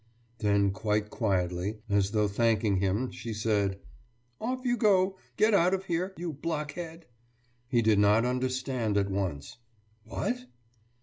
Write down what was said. « Then quite quietly, as though thanking him, she said: »Off you go! Get out of here, you block head!« He did not understand at once. »What?